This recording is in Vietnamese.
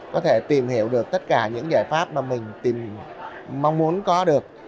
có thể tìm hiểu được tất cả những giải pháp mà mình mong muốn có được